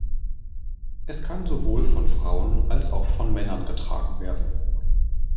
Es kann sowohl von Frauen als auch von Männern getragen werden.